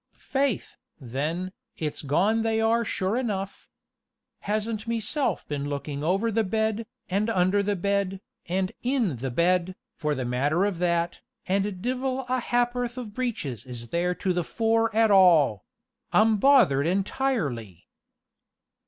"Faith, then, it's gone they are sure enough! Hasn't meself been looking over the bed, and under the bed, and in the bed, for the matter of that, and divil a ha'p'orth of breeches is there to the fore at all: I'm bothered entirely!"